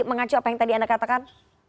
mengacu apa yang tadi anda katakan